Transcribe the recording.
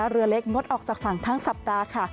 เรือเล็กงดออกจากฝั่งทั้งสัปดาห์ค่ะ